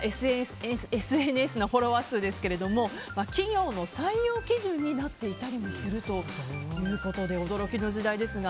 ＳＮＳのフォロワー数ですけれども企業の採用基準になっていたりもするということで驚きの時代ですが。